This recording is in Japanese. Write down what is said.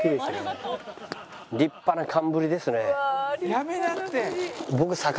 「やめなって！」